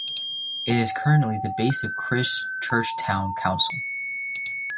It is currently the base of Christchurch Town Council.